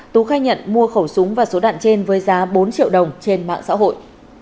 tú khai nhận mua khẩu súng và số đạn trên với giá bốn triệu đồng trên mạng xã hội